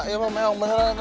iya mah meong beneran